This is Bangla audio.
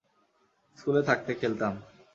স্কুলে থাকতে খেলতাম।